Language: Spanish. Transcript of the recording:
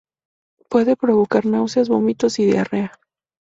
Puede provocar náuseas, vómitos y diarrea.